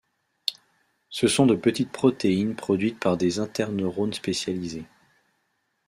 Ce sont de petites protéines produites par des interneurones spécialisés.